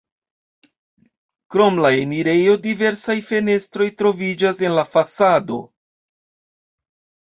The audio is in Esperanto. Krom la enirejo diversaj fenestroj troviĝas en la fasado.